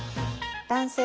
男性